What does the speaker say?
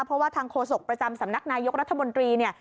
เพราะว่าทางโฆษกประจำสำนักนายกรัฐมนตรีเนี่ย